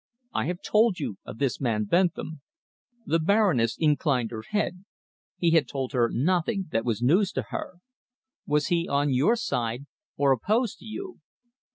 I have told you of this man Bentham." The Baroness inclined her head. He had told her nothing that was news to her. "Was he on your side, or opposed to you?"